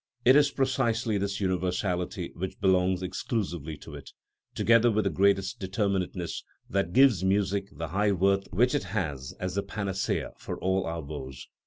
It is precisely this universality, which belongs exclusively to it, together with the greatest determinateness, that gives music the high worth which it has as the panacea for all our woes.